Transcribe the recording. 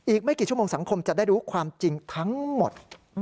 อีกไม่กี่ชั่วโมงสังคมจะได้รู้ความจริงทั้งหมด